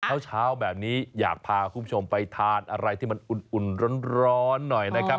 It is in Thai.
เช้าแบบนี้อยากพาคุณผู้ชมไปทานอะไรที่มันอุ่นร้อนหน่อยนะครับ